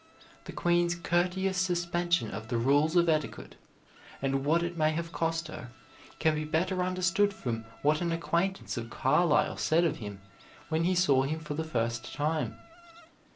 The Queen's courteous suspension of the rules of etiquette, and what it may have cost her, can be better understood from what an acquaintance of Carlyle said of him when he saw him for the first time.